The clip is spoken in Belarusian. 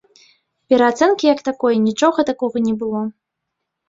Пераацэнкі як такой, нічога такога не было.